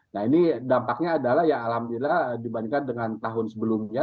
nah ini dampaknya adalah ya alhamdulillah dibandingkan dengan tahun sebelumnya